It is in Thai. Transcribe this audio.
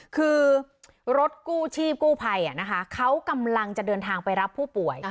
คือรถกู้ชีพกู้ภัยเขากำลังจะเดินทางไปรับผู้ป่วย